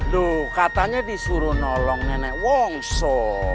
duh katanya disuruh nolong nenek wongso